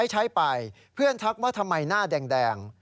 ใช้ไปเพื่อนทักว่าทำไมหน้าแดง